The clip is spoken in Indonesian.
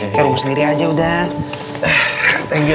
kayak rumah sendiri aja udah